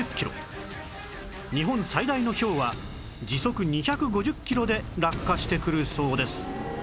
日本最大のひょうは時速２５０キロで落下してくるそうです